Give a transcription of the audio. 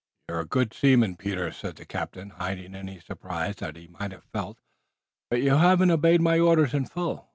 "You're a good seaman, Peter," said the captain, hiding any surprise that he may have felt, "but you haven't obeyed my orders in full.